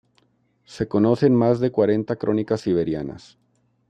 Se conocen más de cuarenta crónicas siberianas.